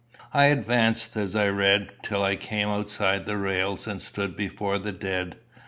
I advanced, as I read, till I came outside the rails and stood before the dead.